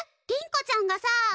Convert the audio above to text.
りん子ちゃんがさ。